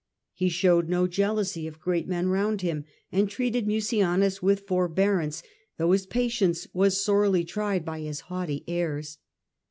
He showed no jealousy of great men round him, and treated Mucianus with forbearance, though his patience was sorely tried by his haughty airs.